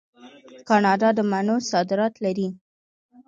کاناډا د مڼو صادرات لري.